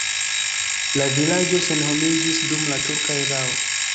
La vilaĝo senhomiĝis dum la turka erao.